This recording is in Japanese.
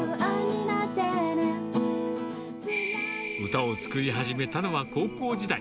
歌を作り始めたのは高校時代。